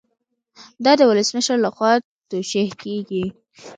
دا د ولسمشر لخوا توشیح کیږي.